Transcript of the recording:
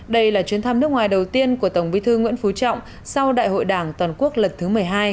đây là chuyến thăm nước ngoài đầu tiên của tổng bí thư nguyễn phú trọng sau đại hội đảng toàn quốc lần thứ một mươi hai